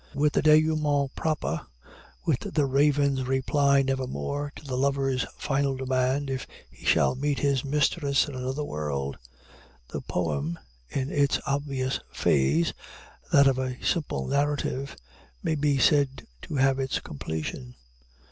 With the dénouement proper with the Raven's reply, "Nevermore," to the lover's final demand if he shall meet his mistress in another world the poem, in its obvious phase, that of a simple narrative, may be said to have its completion.